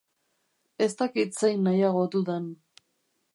Ez dakit zein nahiago dudan.